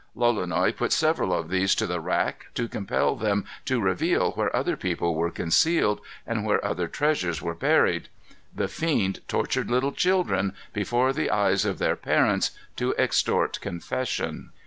Lolonois put several of these to the rack, to compel them to reveal where other people were concealed, and where other treasures were buried. The fiend tortured little children, before the eyes of their parents, to extort confession.